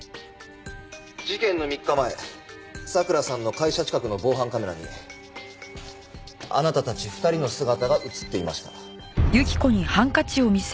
事件の３日前咲良さんの会社近くの防犯カメラにあなたたち２人の姿が映っていました。